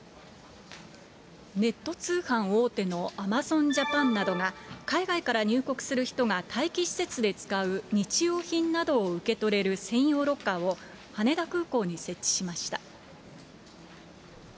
ネット通販大手のアマゾンジャパンなどが、海外から入国する人が待機施設で使う日用品などを受け取れる専用ロッカーを、羽田空港に設置しました。